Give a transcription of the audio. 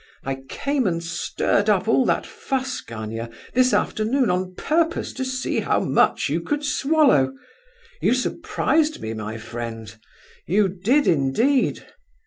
I came and stirred up all that fuss, Gania, this afternoon, on purpose to see how much you could swallow—you surprised me, my friend—you did, indeed.